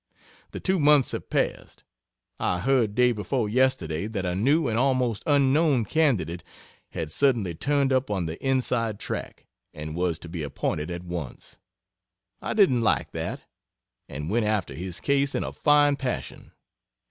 The two months have passed, I heard day before yesterday that a new and almost unknown candidate had suddenly turned up on the inside track, and was to be appointed at once. I didn't like that, and went after his case in a fine passion.